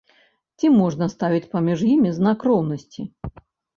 Ці можна ставіць паміж імі знак роўнасці?